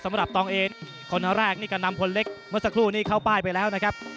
สำหรับตรงเองคนทั้งแรกนี่กันนำพลเล็กเมื่อสักครู่นี่เข้าป้ายไปแล้วนะครับ